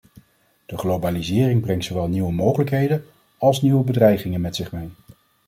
De globalisering brengt zowel nieuwe mogelijkheden als nieuwe bedreigingen met zich mee.